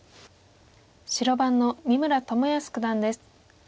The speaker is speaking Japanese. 白番の三村智保九段です。